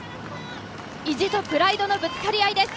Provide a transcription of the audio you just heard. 意地とプライドのぶつかり合いです。